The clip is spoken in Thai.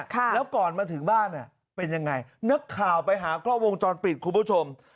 แล้วก่อนมาถึงบ้านอ่ะเป็นยังไงนักข่าวไปหากล้องวงจรปิดคุณผู้ชม